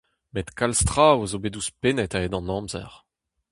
Met kalz traoù zo bet ouzhpennet a-hed an amzer.